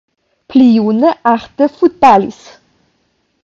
Pli june Ahde futbalis.